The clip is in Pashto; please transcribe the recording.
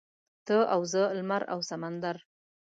ته او زه لمر او سمندر.